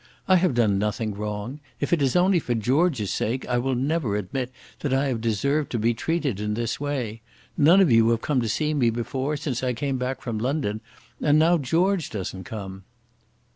I have done nothing wrong. If it is only for George's sake, I will never admit that I have deserved to be treated in this way. None of you have come to see me before, since I came back from London, and now George doesn't come."